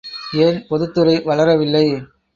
ஏன் பொதுத்துறை வளரவில்லை?